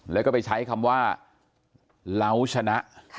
แล้วก็ไปใช้คำว่าเล้าชนะ